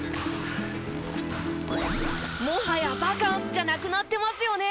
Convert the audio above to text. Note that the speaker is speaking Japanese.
もはやバカンスじゃなくなってますよね？